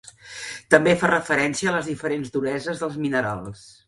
També fa referència a les diferents dureses dels minerals.